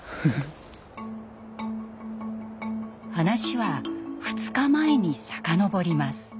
話は２日前に遡ります。